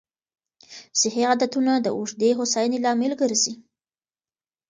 صحي عادتونه د اوږدې هوساینې لامل ګرځي.